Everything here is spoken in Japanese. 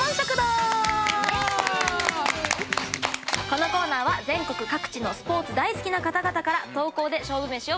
このコーナーは全国各地のスポーツ大好きな方々から投稿で勝負めしを募集しています。